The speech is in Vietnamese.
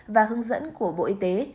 và hướng dẫn của bộ y tế